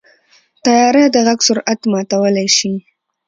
طیاره د غږ سرعت ماتولی شي.